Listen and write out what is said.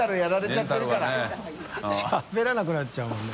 しゃべらなくなっちゃうもんね。